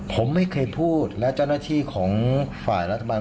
ผมไม่เคยพูดและเจ้าหน้าที่ของฝ่ายรัฐบาล